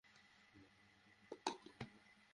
ওহ, পদ্ম আমার খুবই পছন্দের!